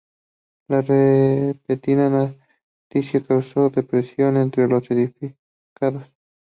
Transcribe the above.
La repentina noticia causó decepción entre los aficionados.